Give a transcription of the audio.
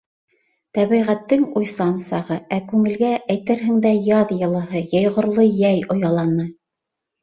Тәбиғәттең уйсан сағы, ә күңелгә, әйтерһең дә, яҙ йылыһы, йәйғорло йәй ояланы!